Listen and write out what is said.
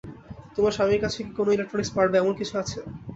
তোমার স্বামীর কাছে কি কোন ইলেকট্রনিক্স পার্ট বা এমন কিছু আছে?